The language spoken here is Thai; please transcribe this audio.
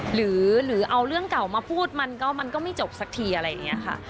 หรือเอาเรื่องเก่ามาพูดมันก็ไม่จบสักทีอะไรอย่างนี้ค่ะ